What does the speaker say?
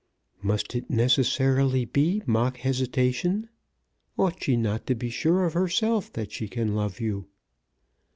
"Must it necessarily be mock hesitation? Ought she not to be sure of herself that she can love you?"